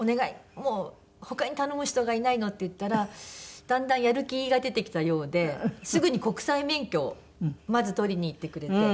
「もう他に頼む人がいないの！」って言ったらだんだんやる気が出てきたようですぐに国際免許をまず取りに行ってくれて。